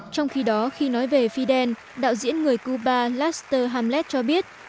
trong khi đó khi nói về fidel đạo diễn người cuba laser hamlet cho biết